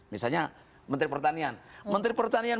misalnya menteri pertanian